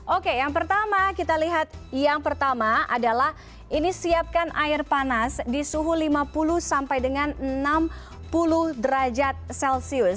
oke yang pertama kita lihat yang pertama adalah ini siapkan air panas di suhu lima puluh sampai dengan enam puluh derajat celcius